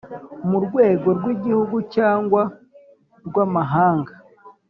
murwego rwigihugu cyangwa rwamahanga